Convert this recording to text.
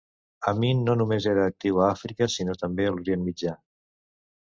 Amin no només era actiu a Àfrica, sinó també a l'Orient Mitjà.